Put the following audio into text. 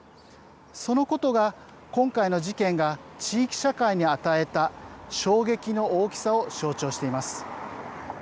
そのことが、今回の事件が地域社会に与えた衝撃の大きさを象徴しています。